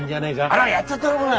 あらやっちゃったのこれ！